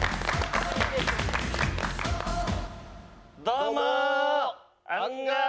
どうもー！